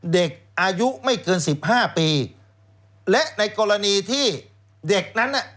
เด็กอายุไม่เกินสิบห้าปีและในกรณีที่เด็กนั้นน่ะ